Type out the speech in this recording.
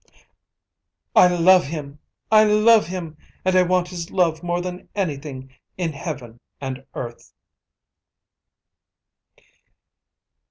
"I love him! I love him! And I want his love more than anything in Heaven and earth."